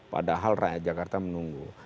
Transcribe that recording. padahal rakyat jakarta menunggu